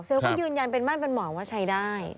เซลล์ก็ยืนยันเป็นมั่นบรรหม่าว่าใช้ได้